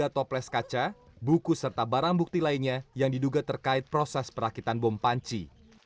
tiga toples kaca buku serta barang bukti lainnya yang diduga terkait proses perakitan bom panci